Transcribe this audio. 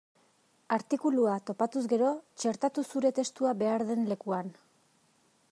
Artikulua topatuz gero, txertatu zure testua behar den lekuan.